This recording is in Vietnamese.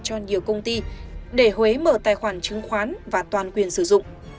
cho nhiều công ty để huế mở tài khoản chứng khoán và toàn quyền sử dụng